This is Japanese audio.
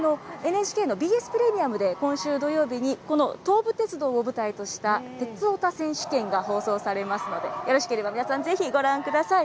ＮＨＫのＢＳプレミアムで、今週土曜日に、この東武鉄道を舞台とした鉄オタ選手権が放送されますので、よろしければ皆さん、ぜひご覧ください。